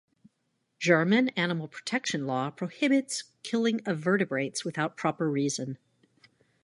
German animal protection law prohibits killing of vertebrates without proper reason.